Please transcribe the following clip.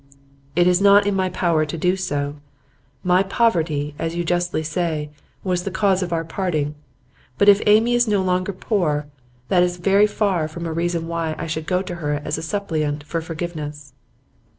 'It is not in my power to do so. My poverty, as you justly say, was the cause of our parting; but if Amy is no longer poor, that is very far from a reason why I should go to her as a suppliant for forgiveness.